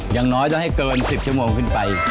อย่างน้อยต้องให้เกิน๑๐ชั่วโมงขึ้นไป